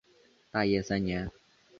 大业三年。